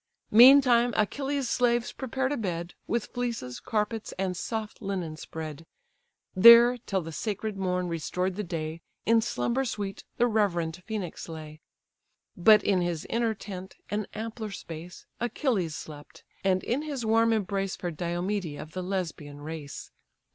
Meantime Achilles' slaves prepared a bed, With fleeces, carpets, and soft linen spread: There, till the sacred morn restored the day, In slumber sweet the reverend Phœnix lay. But in his inner tent, an ampler space, Achilles slept; and in his warm embrace Fair Diomede of the Lesbian race.